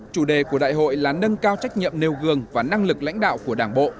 chủ đề của đại hội là nâng cao trách nhiệm nêu gương và năng lực lãnh đạo của đảng bộ